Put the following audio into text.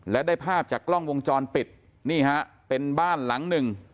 และได้ภาพจากกล้องวงจรปิดนี่ฮะเป็นบ้านหลังหนึ่ง